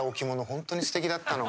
本当にすてきだったの。